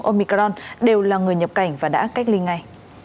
omicron đều là người nhập cảnh và đã cách ly ngay